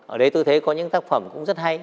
ở đây tôi thấy có những tác phẩm cũng rất hay